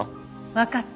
わかった。